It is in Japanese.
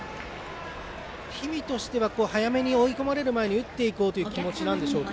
氷見としては早めに追い込まれる前に打っていこうという気持ちなんでしょうか？